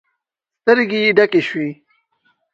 سترګې يې ډکې شوې.